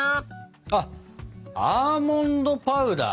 あアーモンドパウダー！